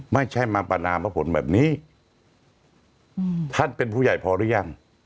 ไม่ใช่มาประนามพระผลแบบนี้ท่านเป็นผู้ใหญ่พอหรือยัง